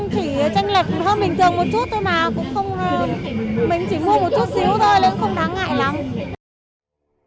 chỉ tranh lệch hơn bình thường một chút thôi mà cũng mình chỉ mua một chút xíu thôi chứ không đáng ngại lắm